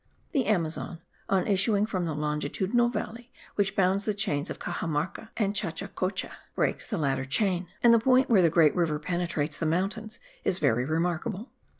The Amazon, on issuing from the longitudinal valley which bounds the chains of Caxamarca and Chachacocha, breaks the latter chain; and the point where the great river penetrates the mountains, is very remarkable.